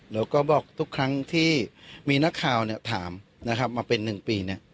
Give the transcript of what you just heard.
แล้วก็บอกทุกครั้งที่มีนักข่าวถามมาเป็น๑ปี